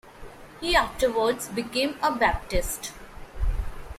He afterwards became a Baptist.